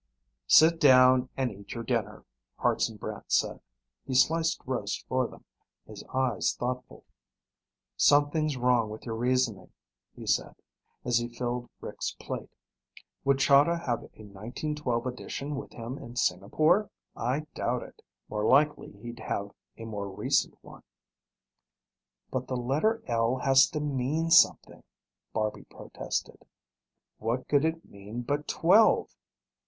"Sit down and eat your dinner," Hartson Brant said. He sliced roast for them, his eyes thoughtful. "Something's wrong with your reasoning," he said, as he filled Rick's plate. "Would Chahda have a 1912 edition with him in Singapore? I doubt it. More likely he'd have a more recent one." "But the letter L has to mean something," Barby protested. "What could it mean but twelve?"